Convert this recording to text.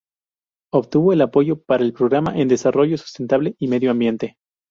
Obtuvo el Apoyo para el Programa en Desarrollo Sustentable y Medio Ambiente.